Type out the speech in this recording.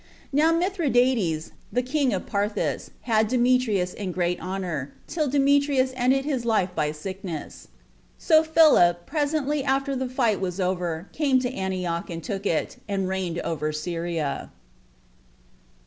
Now Mithridates, the king of Parthia, had Demetrius in great honor, till Demetrius ended his life by sickness. So Philip, presently after the fight was over, came to Antioch, and took it, and reigned over Syria.